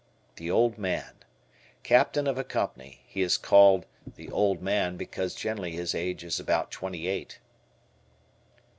"The Old Man." Captain of a company. He is called "the old man," because generally his age is about twenty eight.